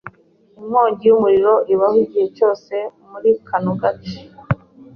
Inkongi y'umuriro ibaho igihe cyose muri kano gace.